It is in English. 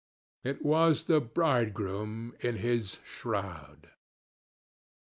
It was the bridegroom in his shroud.